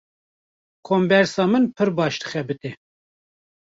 Kombersa min pir baş dixebite.